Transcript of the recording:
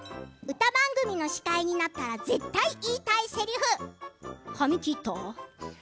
歌番組の司会になったら絶対言いたいせりふ髪切った？